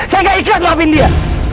saya gak ikhlas lawin dia